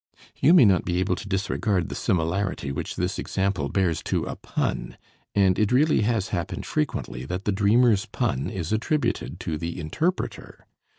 You may not be able to disregard the similarity which this examples bears to a pun, and it really has happened frequently that the dreamer's pun is attributed to the interpreter.